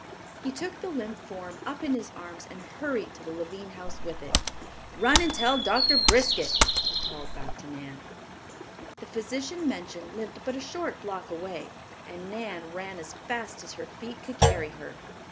He took the limp form up in his arms and hurried to the Lavine house with it. "Run and tell Doctor Briskett," he called back to Nan. The physician mentioned lived but a short block away, and Nan ran as fast as her feet could carry her.